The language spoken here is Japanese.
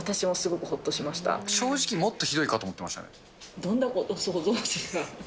正直、もっとひどいかと思っどんなこと想像してたの？